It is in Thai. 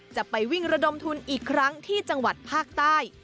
จะไปวิ่งระดมทุนอีกครั้งที่จังหวัดภาคใต้